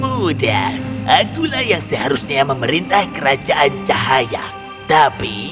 udah akulah yang seharusnya memerintah kerajaan cahaya tapi